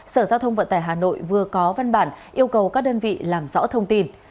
sở giao thông vận tải hà nội vừa có văn bản yêu cầu các đơn vị làm rõ thông tin